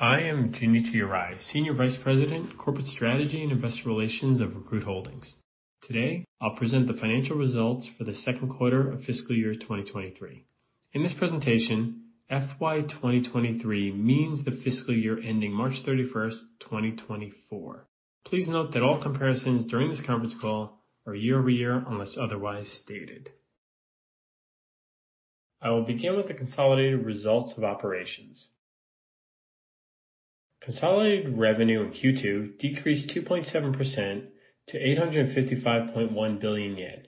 I am Junichi Arai, Senior Vice President, Corporate Strategy and Investor Relations of Recruit Holdings. Today, I'll present the financial results for the second quarter of fiscal year 2023. In this presentation, FY 2023 means the fiscal year ending March 31st, 2024. Please note that all comparisons during this conference call are year-over-year, unless otherwise stated. I will begin with the consolidated results of operations. Consolidated revenue in Q2 decreased 2.7% to 855.1 billion yen.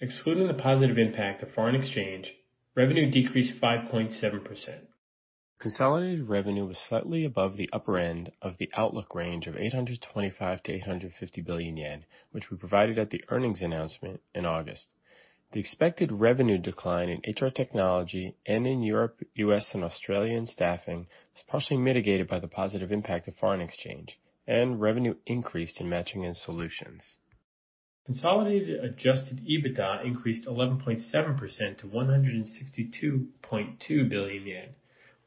Excluding the positive impact of foreign exchange, revenue decreased 5.7%. Consolidated revenue was slightly above the upper end of the outlook range of 825 billion-850 billion yen, which we provided at the earnings announcement in August. The expected revenue decline in HR Technology and in Europe, U.S., and Australian staffing was partially mitigated by the positive impact of foreign exchange, and revenue increased in Matching and Solutions. Consolidated Adjusted EBITDA increased 11.7% to 162.2 billion yen,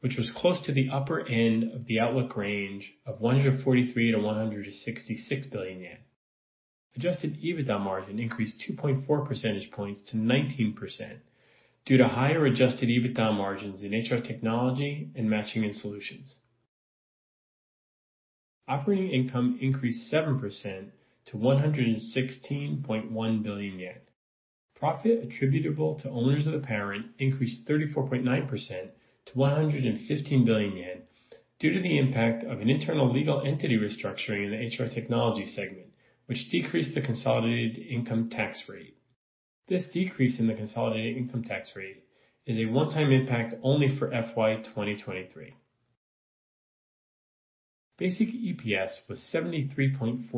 which was close to the upper end of the outlook range of 143 billion-166 billion yen. Adjusted EBITDA margin increased 2.4 percentage points to 19% due to higher Adjusted EBITDA margins in HR Technology and Matching and Solutions. Operating income increased 7% to 116.1 billion yen. Profit attributable to owners of the parent increased 34.9% to 115 billion yen, due to the impact of an internal legal entity restructuring in the HR Technology segment, which decreased the consolidated income tax rate. This decrease in the consolidated income tax rate is a one-time impact only for FY 2023. Basic EPS was 73.46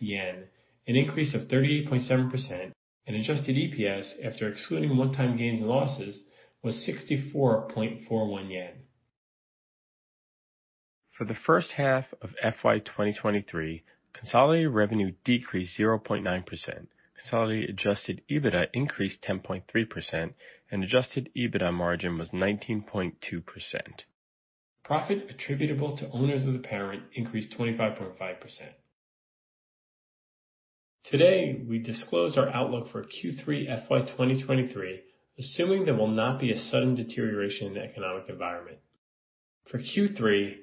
yen, an increase of 38.7%, and Adjusted EPS, after excluding one-time gains and losses, was 64.41 yen. For the first half of FY 2023, consolidated revenue decreased 0.9%, consolidated Adjusted EBITDA increased 10.3%, and Adjusted EBITDA margin was 19.2%. Profit attributable to owners of the parent increased 25.5%. Today, we disclose our outlook for Q3 FY 2023, assuming there will not be a sudden deterioration in the economic environment. For Q3,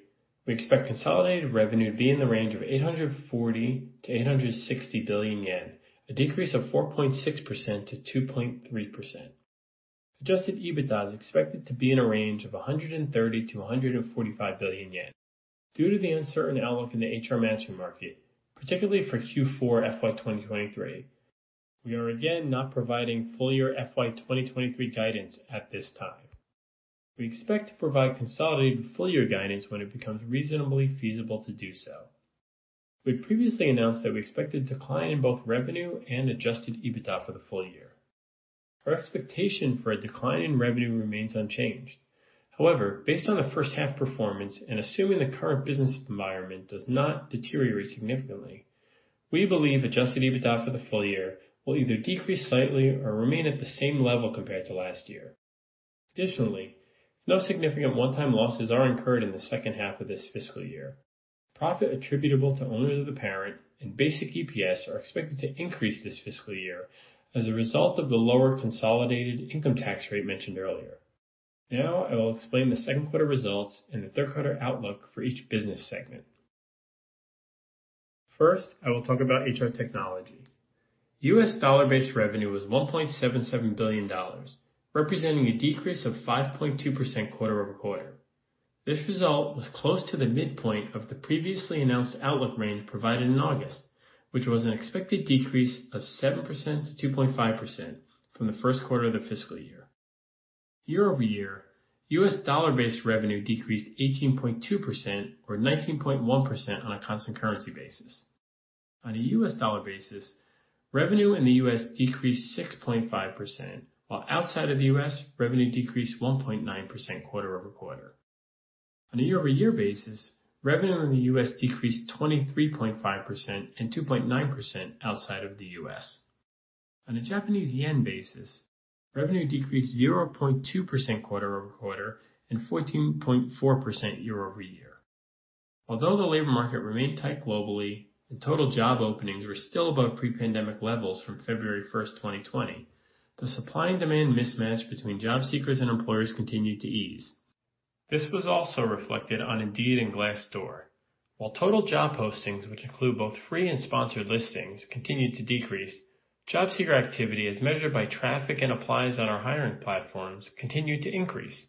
we expect consolidated revenue to be in the range of 840 billion-860 billion yen, a decrease of 4.6%-2.3%. Adjusted EBITDA is expected to be in a range of 130 billion-145 billion yen. Due to the uncertain outlook in the HR Matching Market, particularly for Q4 FY 2023, we are again not providing full year FY 2023 guidance at this time. We expect to provide consolidated full-year guidance when it becomes reasonably feasible to do so. We previously announced that we expected a decline in both revenue and Adjusted EBITDA for the full year. Our expectation for a decline in revenue remains unchanged. However, based on the first half performance and assuming the current business environment does not deteriorate significantly, we believe Adjusted EBITDA for the full year will either decrease slightly or remain at the same level compared to last year. Additionally, no significant one-time losses are incurred in the second half of this fiscal year. Profit attributable to owners of the parent and Basic EPS are expected to increase this fiscal year as a result of the lower consolidated income tax rate mentioned earlier. Now, I will explain the second quarter results and the third quarter outlook for each business segment. First, I will talk about HR Technology. U.S. dollar-based revenue was $1.77 billion, representing a decrease of 5.2% quarter-over-quarter. This result was close to the midpoint of the previously announced outlook range provided in August, which was an expected decrease of 7%-2.5% from the first quarter of the fiscal year. Year-over-year, U.S. dollar-based revenue decreased 18.2% or 19.1% on a constant currency basis. On a U.S. dollar basis, revenue in the U.S. decreased 6.5%, while outside of the U.S., revenue decreased 1.9% quarter-over-quarter. On a year-over-year basis, revenue in the U.S. decreased 23.5% and 2.9% outside of the U.S. On a Japanese yen basis, revenue decreased 0.2% quarter-over-quarter and 14.4% year-over-year. Although the labor market remained tight globally and total job openings were still above pre-pandemic levels from February 1st, 2020, the supply and demand mismatch between job seekers and employers continued to ease. This was also reflected on Indeed and Glassdoor. While total job postings, which include both free and sponsored listings, continued to decrease, job seeker activity, as measured by traffic and applies on our hiring platforms, continued to increase.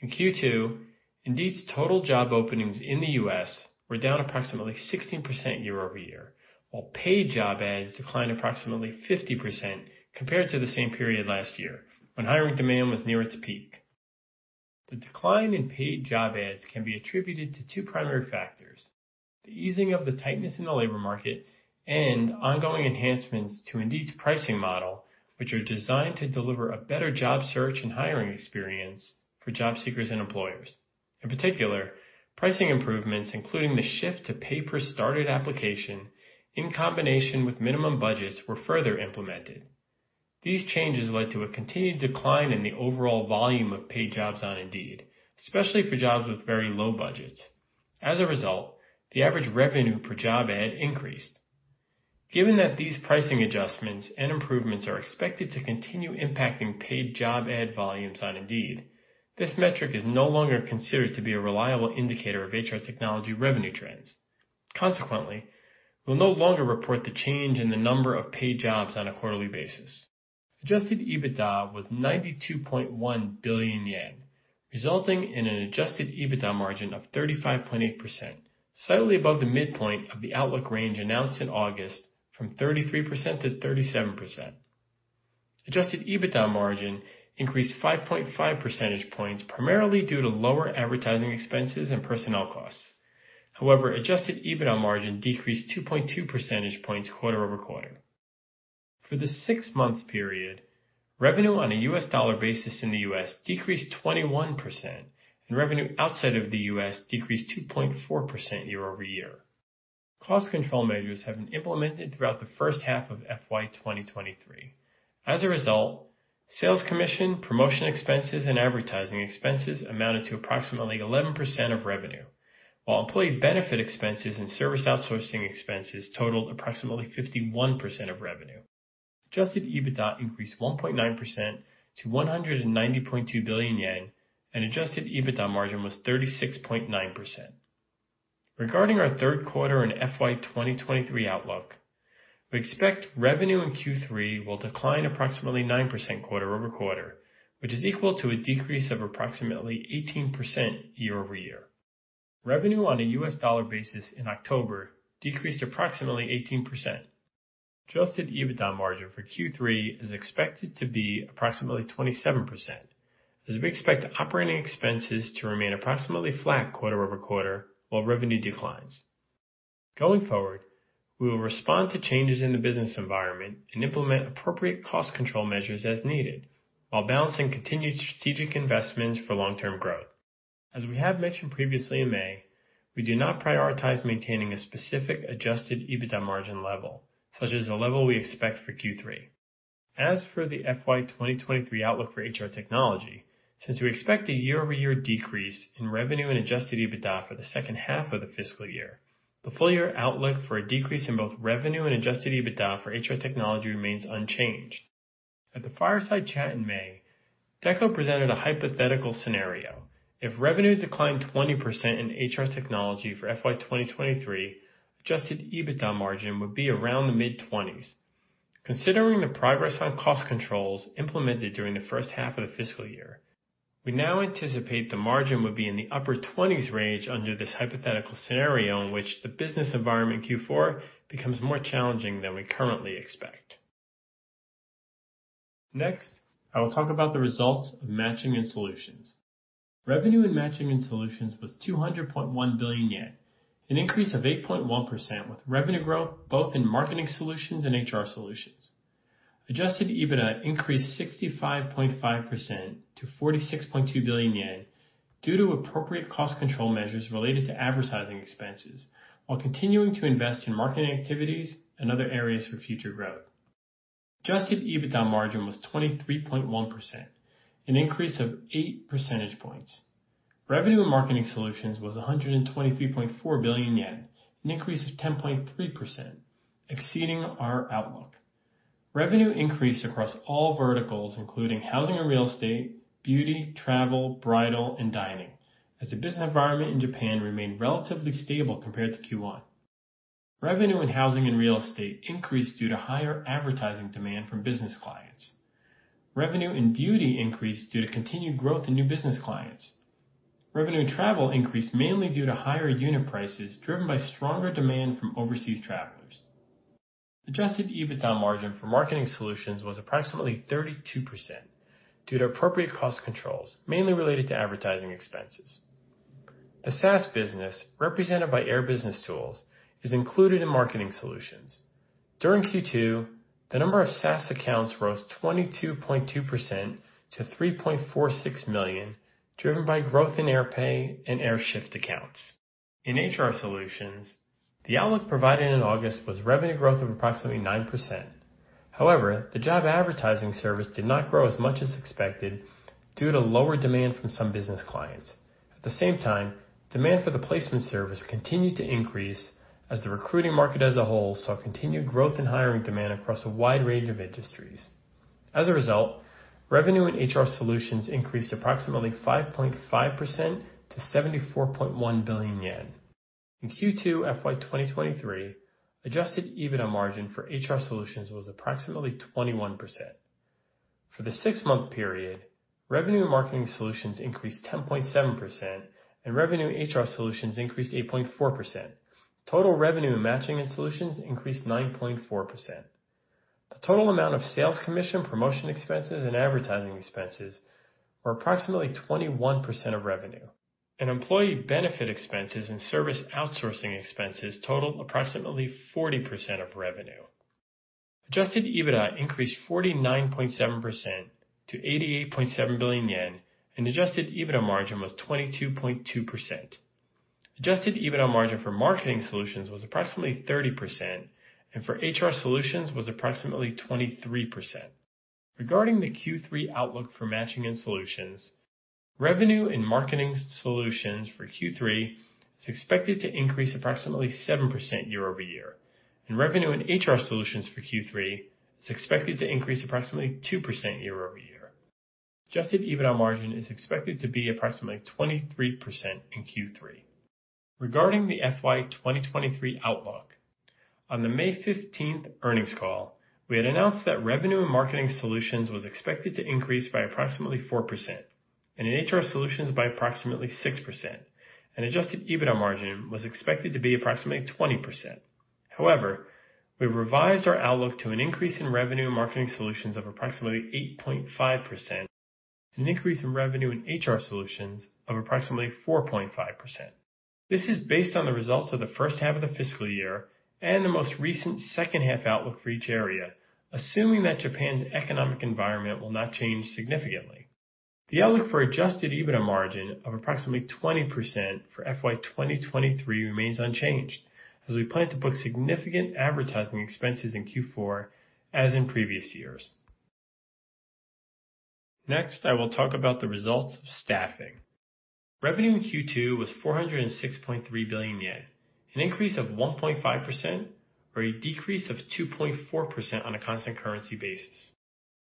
In Q2, Indeed's total job openings in the U.S. were down approximately 16% year-over-year, while paid job ads declined approximately 50% compared to the same period last year, when hiring demand was near its peak. The decline in paid job ads can be attributed to two primary factors: the easing of the tightness in the labor market and ongoing enhancements to Indeed's pricing model, which are designed to deliver a better job search and hiring experience for job seekers and employers. In particular, pricing improvements, including the shift to Pay Per Started Application in combination with minimum budgets, were further implemented. These changes led to a continued decline in the overall volume of paid jobs on Indeed, especially for jobs with very low budgets. As a result, the average revenue per job ad increased. Given that these pricing adjustments and improvements are expected to continue impacting paid job ad volumes on Indeed, this metric is no longer considered to be a reliable indicator of HR Technology revenue trends. Consequently, we'll no longer report the change in the number of paid jobs on a quarterly basis. Adjusted EBITDA was 92.1 billion yen, resulting in an Adjusted EBITDA margin of 35.8%, slightly above the midpoint of the outlook range announced in August from 33%-37%. Adjusted EBITDA margin increased 5.5 percentage points, primarily due to lower advertising expenses and personnel costs. However, Adjusted EBITDA margin decreased 2.2 percentage points quarter-over-quarter. For the six-month period, revenue on a U.S. dollar basis in the U.S. decreased 21%, and revenue outside of the U.S. decreased 2.4% year-over-year. Cost control measures have been implemented throughout the first half of FY 2023. As a result, sales commission, promotion expenses, and advertising expenses amounted to approximately 11% of revenue, while employee benefit expenses and service outsourcing expenses totaled approximately 51% of revenue. Adjusted EBITDA increased 1.9% to 190.2 billion yen, and Adjusted EBITDA margin was 36.9%. Regarding our third quarter and FY 2023 outlook, we expect revenue in Q3 will decline approximately 9% quarter-over-quarter, which is equal to a decrease of approximately 18% year-over-year. Revenue on a U.S. dollar basis in October decreased approximately 18%. Adjusted EBITDA margin for Q3 is expected to be approximately 27%, as we expect operating expenses to remain approximately flat quarter-over-quarter while revenue declines. Going forward, we will respond to changes in the business environment and implement appropriate cost control measures as needed while balancing continued strategic investments for long-term growth. As we have mentioned previously in May, we do not prioritize maintaining a specific Adjusted EBITDA margin level, such as the level we expect for Q3. As for the FY 2023 outlook for HR Technology, since we expect a year-over-year decrease in revenue and Adjusted EBITDA for the second half of the fiscal year, the full year outlook for a decrease in both revenue and Adjusted EBITDA for HR Technology remains unchanged. At the fireside chat in May, Deko presented a hypothetical scenario. If revenue declined 20% in HR Technology for FY 2023, Adjusted EBITDA margin would be around the mid-20s. Considering the progress on cost controls implemented during the first half of the fiscal year, we now anticipate the margin would be in the upper 20s range under this hypothetical scenario in which the business environment in Q4 becomes more challenging than we currently expect. Next, I will talk about the results of Matching and Solutions. Revenue in Matching and Solutions was 200.1 billion yen, an increase of 8.1%, with revenue growth both in Marketing Solutions and HR Solutions. Adjusted EBITDA increased 65.5% to 46.2 billion yen due to appropriate cost control measures related to advertising expenses while continuing to invest in marketing activities and other areas for future growth. Adjusted EBITDA margin was 23.1%, an increase of 8 percentage points. Revenue in Marketing Solutions was 123.4 billion yen, an increase of 10.3%, exceeding our outlook. Revenue increased across all verticals, including housing and real estate, beauty, travel, bridal, and dining, as the business environment in Japan remained relatively stable compared to Q1. Revenue in housing and real estate increased due to higher advertising demand from business clients. Revenue in beauty increased due to continued growth in new business clients. Revenue in travel increased mainly due to higher unit prices, driven by stronger demand from overseas travelers. Adjusted EBITDA margin for Marketing Solutions was approximately 32% due to appropriate cost controls, mainly related to advertising expenses. The SaaS business, represented by Air Business Tools, is included in Marketing Solutions. During Q2, the number of SaaS accounts rose 22.2% to 3.46 million, driven by growth in AirPAY and AirSHIFT accounts. In HR Solutions, the outlook provided in August was revenue growth of approximately 9%. However, the job advertising service did not grow as much as expected due to lower demand from some business clients. At the same time, demand for the placement service continued to increase as the recruiting market as a whole saw continued growth in hiring demand across a wide range of industries. As a result, revenue in HR Solutions increased approximately 5.5% to 74.1 billion yen. In Q2 FY 2023, Adjusted EBITDA margin for HR Solutions was approximately 21%. For the six-month period, revenue in Marketing Solutions increased 10.7%, and revenue in HR Solutions increased 8.4%. Total revenue in Matching and Solutions increased 9.4%. The total amount of sales commission, promotion expenses, and advertising expenses were approximately 21% of revenue, and employee benefit expenses and service outsourcing expenses totaled approximately 40% of revenue. Adjusted EBITDA increased 49.7% to 88.7 billion yen, and Adjusted EBITDA margin was 22.2%. Adjusted EBITDA margin for Marketing Solutions was approximately 30% and for HR Solutions was approximately 23%. Regarding the Q3 outlook for Matching and Solutions, revenue in Marketing Solutions for Q3 is expected to increase approximately 7% year-over-year, and revenue in HR Solutions for Q3 is expected to increase approximately 2% year-over-year. Adjusted EBITDA margin is expected to be approximately 23% in Q3. Regarding the FY 2023 outlook, on the May 15th earnings call, we had announced that revenue in Marketing Solutions was expected to increase by approximately 4% and in HR Solutions by approximately 6%, and Adjusted EBITDA margin was expected to be approximately 20%. However, we've revised our outlook to an increase in revenue in Marketing Solutions of approximately 8.5% and an increase in revenue in HR Solutions of approximately 4.5%. This is based on the results of the first half of the fiscal year and the most recent second half outlook for each area, assuming that Japan's economic environment will not change significantly. The outlook for Adjusted EBITDA margin of approximately 20% for FY 2023 remains unchanged, as we plan to book significant advertising expenses in Q4, as in previous years. Next, I will talk about the results of Staffing. Revenue in Q2 was 406.3 billion yen, an increase of 1.5% or a decrease of 2.4% on a constant currency basis.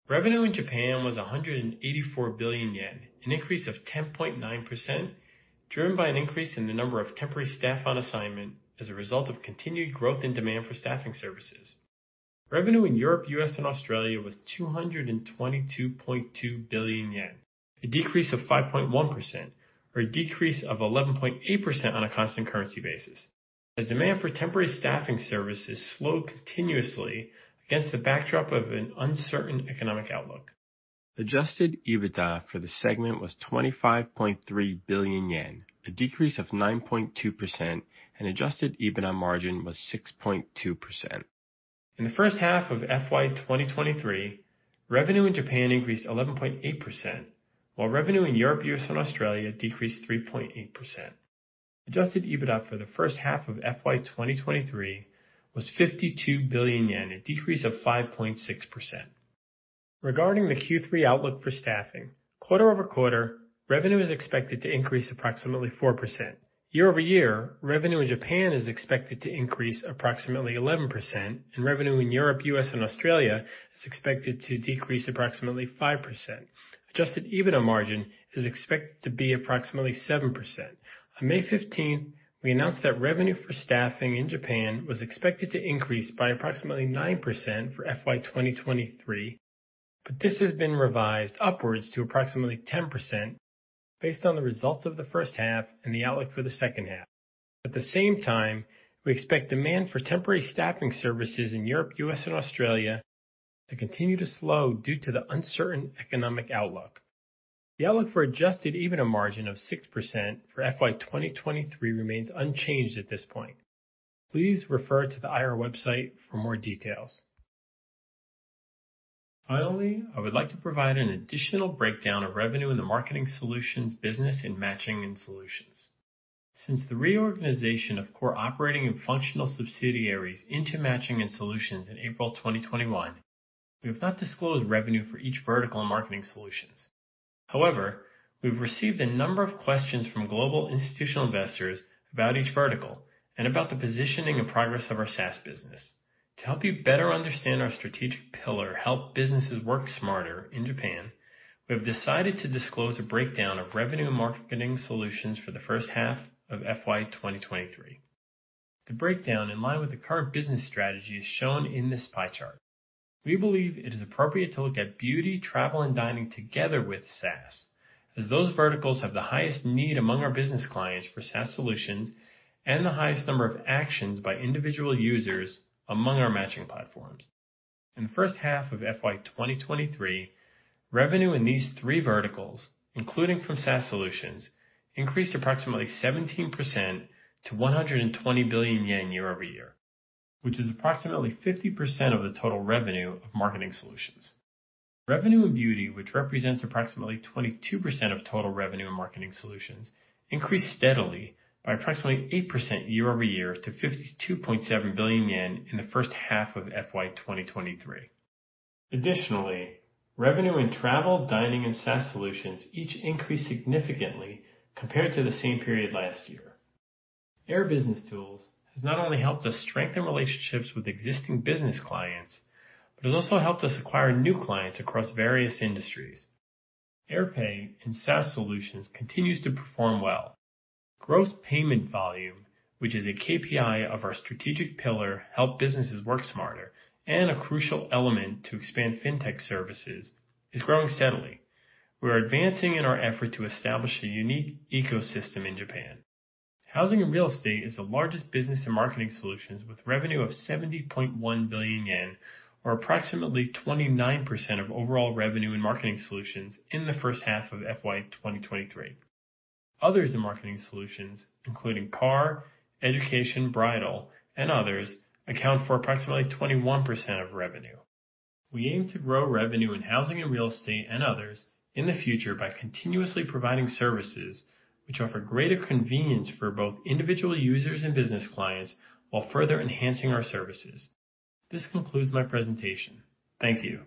Revenue in Japan was 184 billion yen, an increase of 10.9%, driven by an increase in the number of temporary staff on assignment as a result of continued growth in demand for staffing services. Revenue in Europe, U.S., and Australia was 222.2 billion yen, a decrease of 5.1% or a decrease of 11.8% on a constant currency basis, as demand for temporary staffing services slowed continuously against the backdrop of an uncertain economic outlook. Adjusted EBITDA for the segment was 25.3 billion yen, a decrease of 9.2%, and Adjusted EBITDA Margin was 6.2%. In the first half of FY 2023, revenue in Japan increased 11.8%, while revenue in Europe, U.S., and Australia decreased 3.8%. Adjusted EBITDA for the first half of FY 2023 was 52 billion yen, a decrease of 5.6%. Regarding the Q3 outlook for Staffing, quarter-over-quarter, revenue is expected to increase approximately 4%. Year-over-year, revenue in Japan is expected to increase approximately 11%, and revenue in Europe, U.S., and Australia is expected to decrease approximately 5%. Adjusted EBITDA margin is expected to be approximately 7%. On May 15th, we announced that revenue for Staffing in Japan was expected to increase by approximately 9% for FY 2023, but this has been revised upwards to approximately 10% based on the results of the first half and the outlook for the second half. At the same time, we expect demand for temporary staffing services in Europe, U.S., and Australia to continue to slow due to the uncertain economic outlook. The outlook for Adjusted EBITDA margin of 6% for FY 2023 remains unchanged at this point. Please refer to the IR website for more details. Finally, I would like to provide an additional breakdown of revenue in the Marketing Solutions business in Matching and Solutions. Since the reorganization of core operating and functional subsidiaries into Matching and Solutions in April 2021, we have not disclosed revenue for each vertical in Marketing Solutions. However, we've received a number of questions from global institutional investors about each vertical and about the positioning and progress of our SaaS business. To help you better understand our strategic pillar, Help Businesses Work Smarter in Japan, we have decided to disclose a breakdown of revenue and Marketing Solutions for the first half of FY 2023. The breakdown in line with the current business strategy is shown in this pie chart. We believe it is appropriate to look at Beauty, Travel, and Dining together with SaaS, as those verticals have the highest need among our business clients for SaaS solutions and the highest number of actions by individual users among our matching platforms. In the first half of FY 2023, revenue in these three verticals, including from SaaS Solutions, increased approximately 17% to 120 billion yen year-over-year, which is approximately 50% of the total revenue of Marketing Solutions. Revenue in Beauty, which represents approximately 22% of total revenue in Marketing Solutions, increased steadily by approximately 8% year-over-year to 52.7 billion yen in the first half of FY 2023. Additionally, revenue in Travel, Dining, and SaaS Solutions each increased significantly compared to the same period last year. Air Business Tools has not only helped us strengthen relationships with existing business clients, but it also helped us acquire new clients across various industries. AirPAY and SaaS Solutions continues to perform well. Gross payment volume, which is a KPI of our strategic pillar, Help Businesses Work Smarter, and a crucial element to expand Fintech services, is growing steadily. We are advancing in our effort to establish a unique ecosystem in Japan. Housing and Real Estate is the largest business in Marketing Solutions, with revenue of 70.1 billion yen, or approximately 29% of overall revenue in Marketing Solutions in the first half of FY 2023. Others in Marketing Solutions, including Car, Education, Bridal, and others, account for approximately 21% of revenue. We aim to grow revenue in Housing and Real Estate and others in the future by continuously providing services which offer greater convenience for both individual users and business clients while further enhancing our services. This concludes my presentation. Thank you.